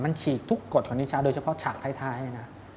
มันฉีกทุกกฎของนิชาโดยเฉพาะฉากท้ายนะ